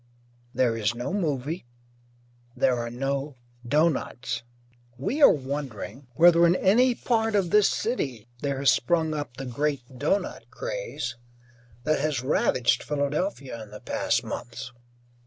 There is no movie, there are no doughnuts. We are wondering whether in any part of this city there has sprung up the great doughnut craze that has ravaged Philadelphia in the past months.